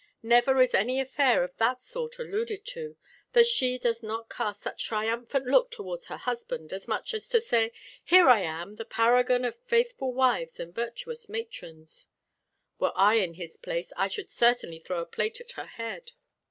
Never is any affair of that sort alluded to that she does not cast such a triumphant look towards her husband, as much as to say, 'Here am I, the paragon of faithful wives and virtuous matrons!' Were I in his place, I should certainly throw a plate at her head.